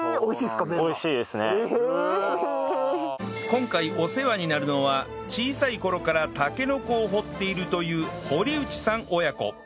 今回お世話になるのは小さい頃からたけのこを掘っているという堀内さん親子